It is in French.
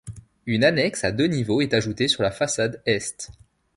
Une annexe à deux niveaux est ajoutée sur la façade est.